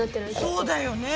そうだよね！